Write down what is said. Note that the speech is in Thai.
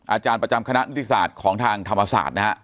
อาจารย์ประจำคณะนิติศาสตร์ของทางธรรมศาสตร์นะฮะ